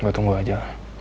gue tunggu aja